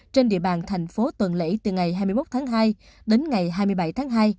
trên địa bàn thành phố tuần lễ từ ngày hai mươi một tháng hai đến ngày hai mươi bảy tháng hai